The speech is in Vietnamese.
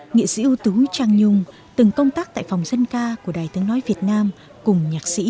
nghệ sĩ ưu tú trang nhung từng công tác tại phòng dân ca của đài tiếng nói việt nam cùng nhạc sĩ